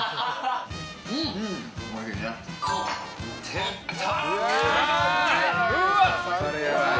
出た！